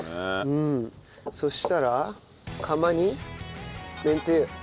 そしたら釜にめんつゆ。